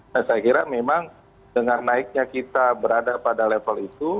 nah saya kira memang dengan naiknya kita berada pada level itu